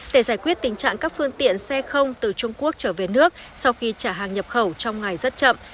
để giải quyết tình trạng các phương tiện xe không từ trung quốc trở về nước sau khi trả hàng nhập khẩu trong ngày rất chậm